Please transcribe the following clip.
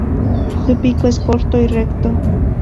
Su pico es corto y recto.